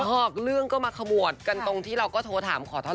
หอกเรื่องก็มาขมวดกันตรงที่เราก็โทรถามขอโทษ